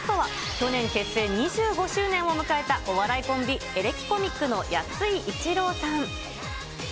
ゲストは去年結成２５周年を迎えたお笑いコンビ、エレキコミックのやついいちろうさん。